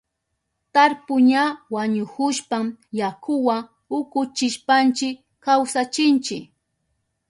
Tarpu ña wañuhushpan yakuwa ukuchishpanchi kawsachinchi.